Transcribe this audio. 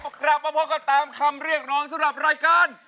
กลับมาพบกันตามคำเรียกร้องสำหรับรายการ